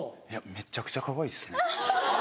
めっちゃくちゃかわいいですね。